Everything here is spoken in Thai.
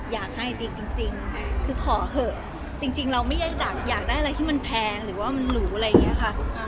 อยากให้ติ๊กจริงคือขอเถอะจริงเราไม่ได้อยากได้อะไรที่มันแพงหรือว่ามันหรูอะไรอย่างนี้ค่ะ